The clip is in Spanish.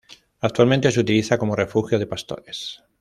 Actualmente se utiliza como refugio de pastores.